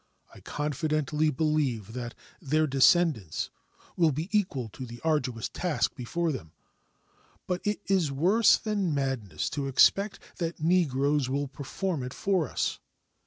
I confidently believe that their descendants will be equal to the arduous task before them, but it is worse than madness to expect that Negroes will perform it for us.